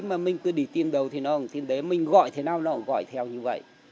mà mình cứ đi tìm đâu thì nó cũng tìm đấy mình gọi thế nào nó cũng gọi theo như vậy